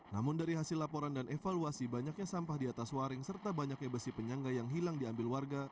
namun dari hasil laporan dan evaluasi banyaknya sampah di atas waring serta banyaknya besi penyangga yang hilang diambil warga